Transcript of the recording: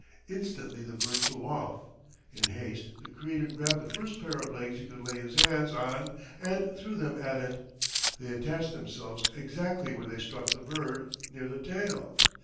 Instantly the bird flew off. In haste the Creator grabbed the first pair of legs he could lay his hands on and threw them at it. They attached themselves exactly where they struck the bird, near the tail.